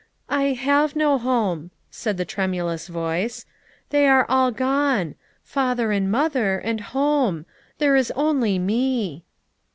"I have no home," said the tremulous voice. "They are all gone; father and mother, and home. There is only me."